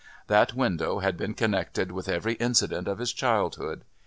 That window had been connected with every incident of his childhood.